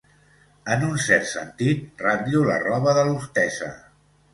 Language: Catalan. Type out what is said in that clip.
En un cert sentit, ratllo la roba de l'hostessa.